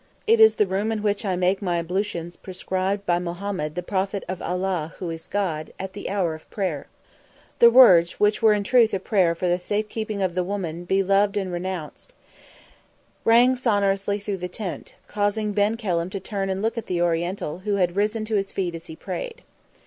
"It is the room in which I make my ablutions prescribed by Mohammed the Prophet of Allah who is God, at the hour of prayer." The words, which were in truth a prayer for the safe keeping of the woman be loved and had renounced, rang sonorously through the tent, causing Ben Kelham to turn and look at the Oriental, who had risen to his feet as he prayed.